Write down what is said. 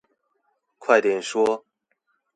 快點說